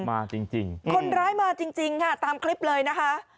คนร้ายมาจริงตามคลิปเลยนะคะ